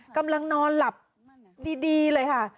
กำลังนอนหลับดีเลยค่ะ